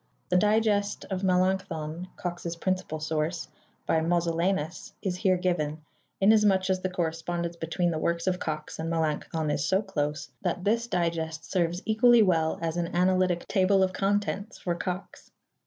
The digest of Melanchthon, Cox's principal source, by Mosel lanus, is here given, inasmuch as the correspondence between the works of Cox and Melanchthon is so close that this digest serves equally well as an analytical table of contents for Cox.